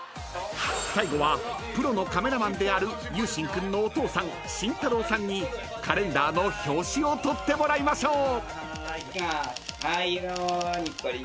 ［最後はプロのカメラマンである由真君のお父さん慎太郎さんにカレンダーの表紙を撮ってもらいましょう］いきます。